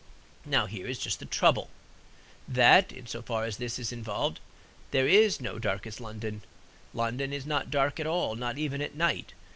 Now here is just the trouble; that, in so far as this is involved, there is no darkest London. London is not dark at all; not even at night.